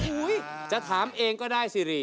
กับพอรู้ดวงชะตาของเขาแล้วนะครับ